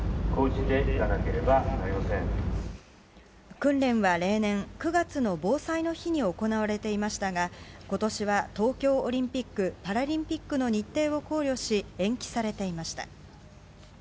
訓練は例年９月の防災の日に行われていましたが今年は東京オリンピック・パラリンピックの日程を考慮し延期されていました。